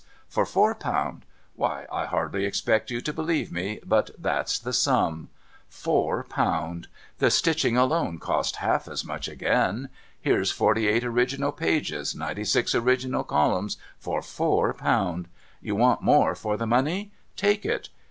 For four pound. ^Miy, I hardly expect you to believe me, but that's the sum. Four pound ! The stitching alone cost half as much again. Here's forty eight original pages, ninety six original columns, for four i)Ound. You want more for the money? Take it.